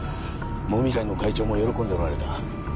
もみ会の会長も喜んでおられた。